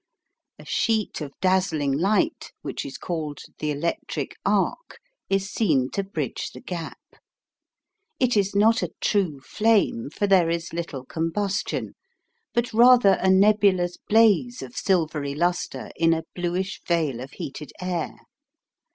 A sheet of dazzling light, which is called the electric arc, is seen to bridge the gap. It is not a true flame, for there is little combustion, but rather a nebulous blaze of silvery lustre in a bluish veil of heated air.